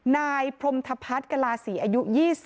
นายพรมธพัฒน์กลาศรีอายุ๒๐